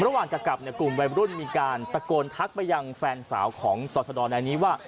ระหว่างจะกลับเนี่ยกลุ่มวัยรุ่นมีการตะโกนทักไปยังแฟนสาวของต่อชะดอในนี้ว่า